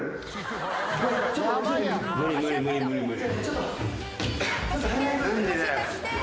無理無理無理無理無理。